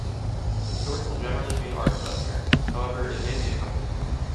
The source will generally be an art collector; however, it may be a company.